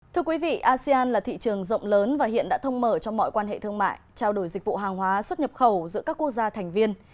thưa quý vị asean là thị trường rộng lớn và hiện đã thông mở cho mọi quan hệ thương mại trao đổi dịch vụ hàng hóa xuất nhập khẩu giữa các quốc gia thành viên